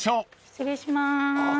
失礼します。